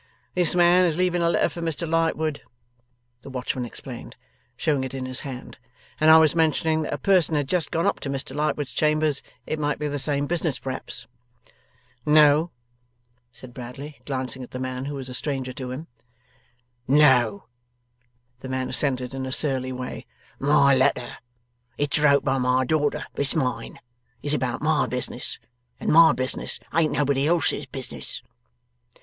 'This man is leaving a letter for Mr Lightwood,' the watchman explained, showing it in his hand; 'and I was mentioning that a person had just gone up to Mr Lightwood's chambers. It might be the same business perhaps?' 'No,' said Bradley, glancing at the man, who was a stranger to him. 'No,' the man assented in a surly way; 'my letter it's wrote by my daughter, but it's mine is about my business, and my business ain't nobody else's business.